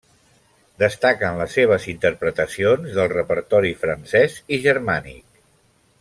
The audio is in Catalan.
Destaquen les seves interpretacions del repertori francès i germànic.